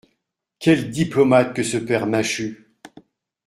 Quel diplomate que ce père Machut !